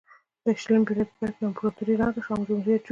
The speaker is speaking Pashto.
د شلمې پیړۍ په پیل کې امپراتوري ړنګه شوه او جمهوریت جوړ شو.